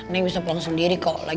ini bisa pulang sendiri kok